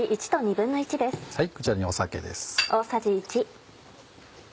こちらに酒です。